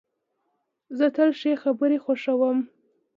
زه تل ښې خبري خوښوم.